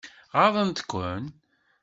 Ɣaḍent-ken?